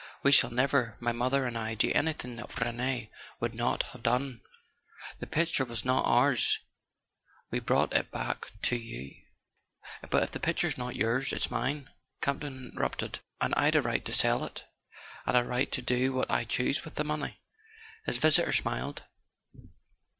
We shall never—my mother and I—do anything that Rene would not have done. The picture was not ours: we brought it back to you " "But if the picture's not yours it's mine," Campton interrupted; "and I'd a right to sell it, and a right to do what I choose with the money." His visitor smiled.